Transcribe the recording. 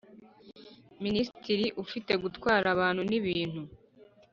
Minisitiri ufite gutwara abantu n ibintu